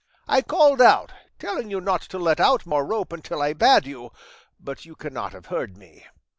I called out, telling you not to let out more rope until I bade you, but you cannot have heard me.